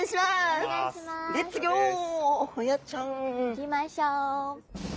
行きましょう。